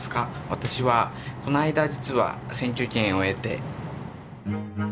私はこの間実は選挙権を得て。